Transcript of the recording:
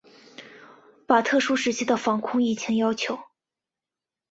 把特殊时期的防控疫情要求